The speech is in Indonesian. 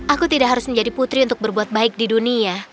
aku tidak harus menjadi putri untuk berbuat baik di dunia